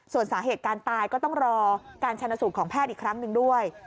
ส่วนสาเหตุการตายก็ต้องรอการชนสูตรของแพทย์อีกครั้งหนึ่งด้วย